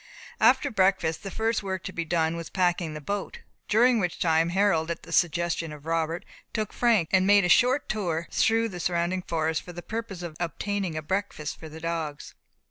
After breakfast the first work to be done was packing the boat, during which time Harold, at the suggestion of Robert, took Frank, and made a short tour through the surrounding forest, for the purpose of obtaining a breakfast for the dogs.